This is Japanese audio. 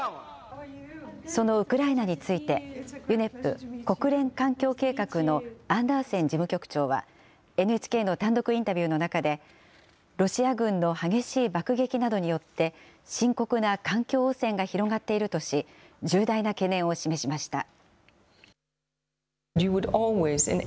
そのウクライナについて、ＵＮＥＰ・国連環境計画のアンダーセン事務局長は、ＮＨＫの単独インタビューの中で、ロシア軍の激しい爆撃などによって、深刻な環境汚染が広がっているとし、重大な懸念を示しました。